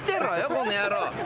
この野郎。